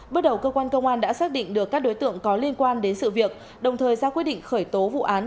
bước đầu cơ quan công an đã xác định được các đối tượng có liên quan đến sự việc đồng thời ra quyết định khởi tố vụ án